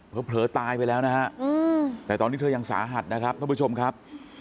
เผลอตายไปแล้วนะฮะแต่ตอนนี้เธอยังสาหัสนะครับท่านผู้ชมครับ